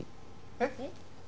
えっ？